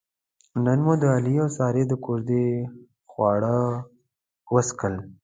نن مو د علي اوسارې د کوزدې خواږه وڅښل.